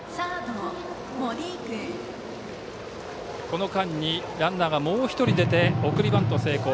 この間にランナーはもう１人出て送りバント成功。